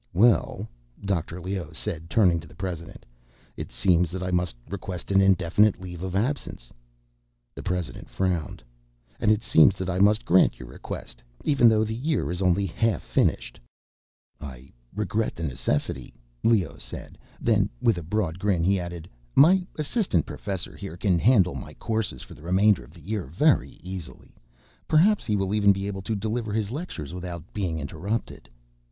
"Well," Dr. Leoh said, turning to the president, "it seems that I must request an indefinite leave of absence." The president frowned. "And it seems that I must grant your request—even though the year is only half finished." "I regret the necessity," Leoh said; then, with a broad grin, he added, "My assistant professor, here, can handle my courses for the remainder of the year very easily. Perhaps he will even be able to deliver his lectures without being interrupted."